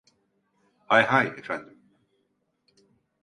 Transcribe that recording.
Hay hay, efendim.